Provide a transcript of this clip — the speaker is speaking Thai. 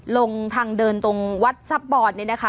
ลงทางเดินตรงวัดซับบอร์ดนี่นะคะ